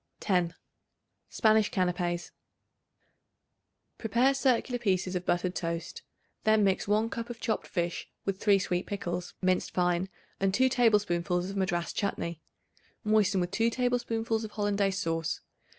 10. Spanish Canapes. Prepare circular pieces of buttered toast. Then mix 1 cup of chopped fish with 3 sweet pickles minced fine, and 2 tablespoonfuls of Madras chutney; moisten with 2 tablespoonfuls of Hollandaise sauce.